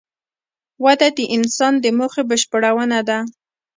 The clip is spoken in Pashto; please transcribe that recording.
وده د انسان د موخې بشپړونه ده.